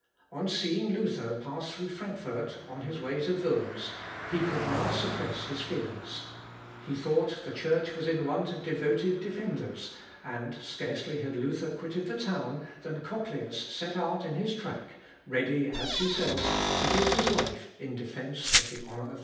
On seeing Luther pass through Frankfort on his way to Worms, he could not suppress his fears. He thought the Church was in want of devoted defenders, and scarcely had Luther quitted the town than Cochlœus set out in his track, ready, as he says, to give his life in defence of the honour of the Church.